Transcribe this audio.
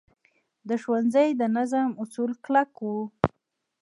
د ښوونځي د نظم اصول کلک وو.